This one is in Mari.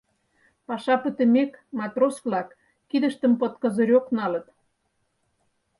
Паша пытымек, матрос-влак кидыштым «под козырёк» налыт: